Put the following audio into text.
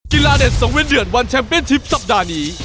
กีฬาเดช๒เวลเดือนวันแชมป์เตี้ยนชิปสัปดาห์นี้